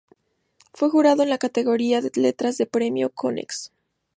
Fue jurado en la categoría letras del Premio Konex.